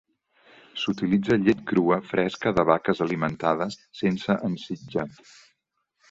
S'utilitza llet crua fresca de vaques alimentades sense ensitjat.